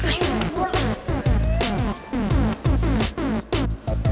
kayaknya gue buru lah